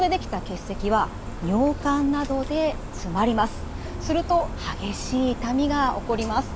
すると激しい痛みが起こります。